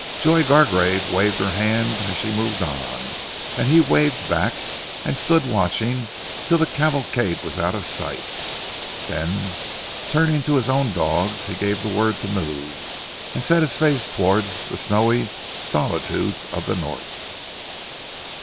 Joy Gargrave waved her hand as she moved on, and he waved back and stood watching till the cavalcade was out of sight, then turning to his own dogs, he gave the word to move and set his face towards the snowy solitudes of the North.